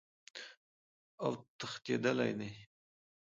اوتښتیدلی دي